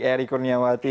baik eri kurniawati